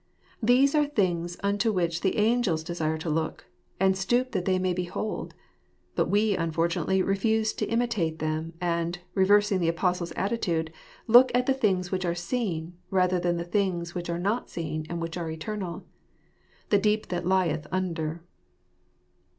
These are things into which angels desire to look, and stoop that they may behold ; but we unfortunately refuse to imitate them, and, reversing the Apostle's attitude, look at the things which are seen, rather than at the things which are not seen, and which are eternal. " The deep that lieth under